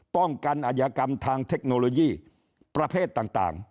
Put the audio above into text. ป้องกันอัยกรรมทางเทคโนโลยีประเภทต่าง